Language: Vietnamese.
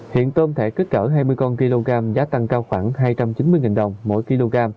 hiện tôm thể kích cỡ hai mươi con kg giá tăng cao khoảng hai trăm chín mươi đồng mỗi kg